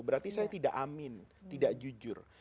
berarti saya tidak amin tidak jujur